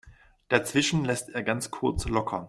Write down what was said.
Dazwischen lässt er ganz kurz locker.